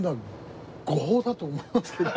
誤報だと思いますね。